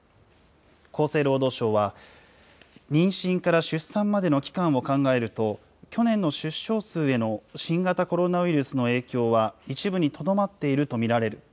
厚生労働省は、妊娠から出産までの期間を考えると、去年の出生数への新型コロナウイルスの影響は一部にとどまっていると見られる。